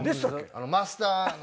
マスターの。